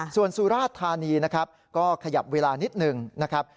ส่วนสุรธานีก็ขยับเวลานิดหนึ่งนะครับ